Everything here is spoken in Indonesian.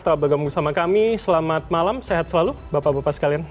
terima kasih bapak bapak bapak sekalian